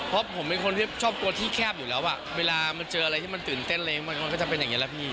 เพราะผมเป็นคนที่ชอบตัวที่แคบอยู่แล้วอ่ะเวลามันเจออะไรที่มันตื่นเต้นอะไรมันก็จะเป็นอย่างนี้แหละพี่